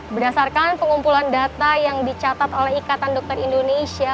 berdasarkan pengumpulan data yang dicatat oleh ikatan dokter indonesia